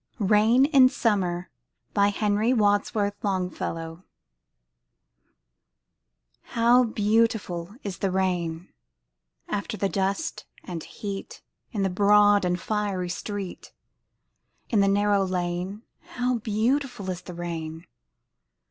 RAIN IN SUMMER Henry Wadsworth Longfellow How beautiful is the rain! After the dust and heat, In the broad and fiery street, In the narrow lane, How beautiful is the rain!